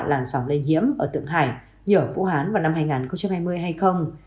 làn sóng lây nhiễm ở thượng hải nhờ phú hán vào năm hai nghìn hai mươi hay không